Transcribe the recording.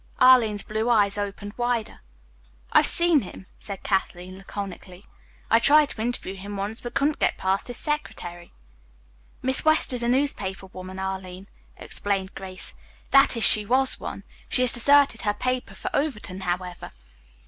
Arline's blue eyes opened wider. "I've seen him," said Kathleen laconically. "I tried to interview him once, but couldn't get past his secretary." "Miss West is a newspaper woman, Arline," explained Grace. "That is, she was one. She has deserted her paper for Overton, however."